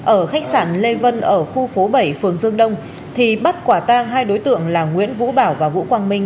ở khách sạn lê vân ở khu phố bảy phường dương đông thì bắt quả tang hai đối tượng là nguyễn vũ bảo và vũ quang minh